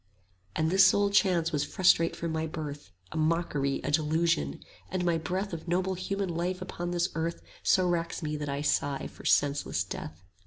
30 And this sole chance was frustrate from my birth, A mockery, a delusion; and my breath Of noble human life upon this earth So racks me that I sigh for senseless death.